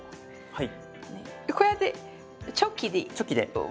はい。